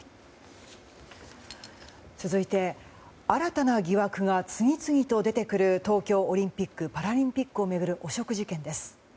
続いて新たな疑惑が次々と出てくる東京オリンピック・パラリンピックを巡る汚職事件です。